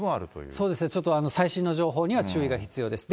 そうですね、ちょっと最新の情報には注意が必要です。